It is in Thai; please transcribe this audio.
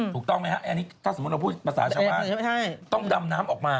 ถูกต้องไหมครับอันนี้ถ้าสมมุติเราพูดภาษาชาวบ้านต้องดำน้ำออกมา